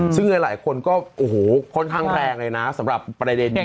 ซึ่งหลายคนก็โอ้โหค่อนข้างแรงเลยนะสำหรับประเด็นนี้